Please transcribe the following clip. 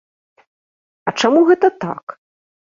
А чаму гэта так?